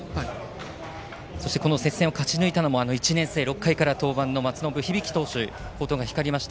そして接戦を勝ち抜いたのも１年生、６回から登板した松延響投手の好投が光りました。